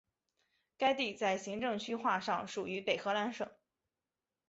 该地在行政区划上属于北荷兰省。